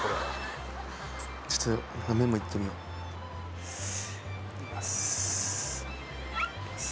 ちょっと麺もいってみよういきます